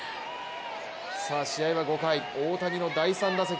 さあ試合は５回、大谷の第３打席。